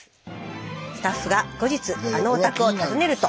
スタッフが後日あのお宅を訪ねると。